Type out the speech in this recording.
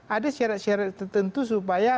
ada syarat syarat tertentu supaya